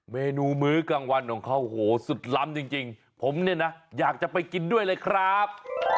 เมนูมื้อกลางวันของเขาโหสุดล้ำจริงผมเนี่ยนะอยากจะไปกินด้วยเลยครับ